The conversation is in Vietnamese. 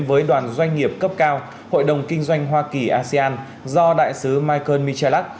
với đoàn doanh nghiệp cấp cao hội đồng kinh doanh hoa kỳ asean do đại sứ michael michalak